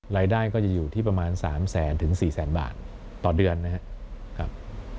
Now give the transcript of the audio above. รายได้ก็จะอยู่ที่ประมาณ๓แสนถึง๔แสนบาทต่อเดือนนะครับ